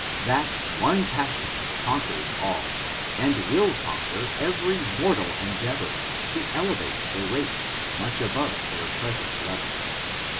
That one passion conquers all, and will conquer every mortal endeavor to elevate the race much above their present level.